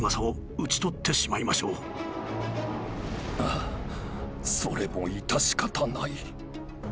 ああそれも致し方ない。